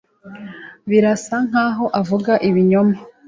Birasa nkaho avuga ibinyoma.